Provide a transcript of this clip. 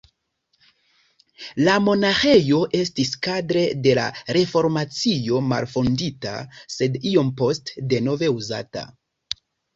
La monaĥejo estis kadre de la Reformacio malfondita, sed iom poste denove uzata.